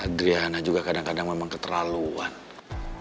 adriana juga kadang kadang memang keterlaluan